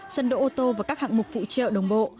sân đỗ ô tô và các hạng mục phụ trợ đồng bộ